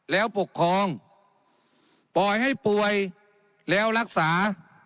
แล้วปกครองปล่อยให้ป่วยแล้วรักษา